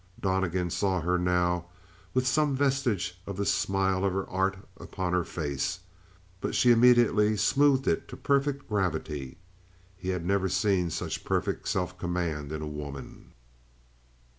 Donnegan saw her now, with some vestige of the smile of her art upon her face; but she immediately smoothed it to perfect gravity. He had never seen such perfect self command in a woman.